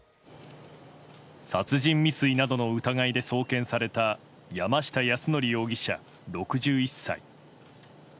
殺人未遂などの疑いで送検された山下泰範容疑者、６１歳。